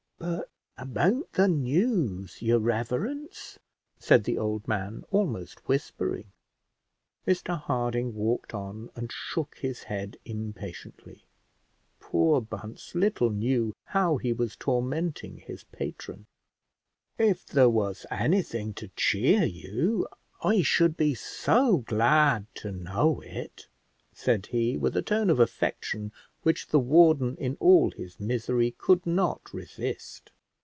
"But about the news, your reverence?" said the old man, almost whispering. Mr Harding walked on, and shook his head impatiently. Poor Bunce little knew how he was tormenting his patron. "If there was anything to cheer you, I should be so glad to know it," said he, with a tone of affection which the warden in all his misery could not resist.